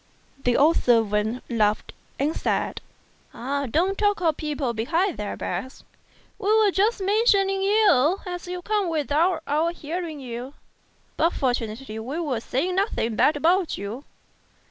The old servant laughed, and said, "Don't talk of people 126 STRANGE STORIES behind their backs. We were just mentioning you as you came without our hearing you; but fortunately we were saying nothing bad about you.